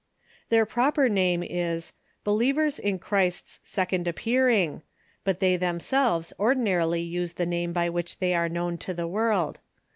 Their proper name is "Believers in Christ's Second Appear ing," but they themselves ordinarily use the name by which they are known to the world.